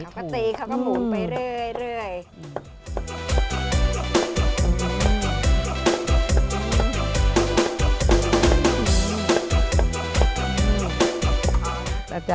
ปกติเขาก็หมุนไปเรื่อย